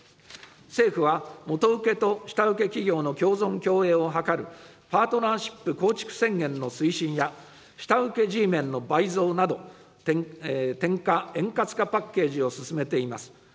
政府は元請けと下請け企業の共存共栄を図るパートナーシップ構築宣言の推進や、下請けＧメンの倍増など、転嫁円滑化パッケージを進めています。